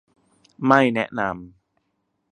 ไม่แนะนำ